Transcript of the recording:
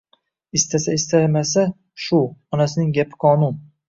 Istasa-istamasa shu, onasining gapi qonun